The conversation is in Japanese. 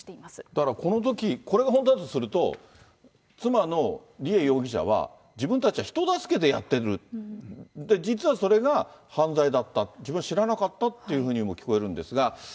だから、このとき、これが本当だとすると、妻の梨恵容疑者は、自分たちは人助けでやっている、実はそれが犯罪だった、自分は知らなかったというふうにも聞こえるんですが。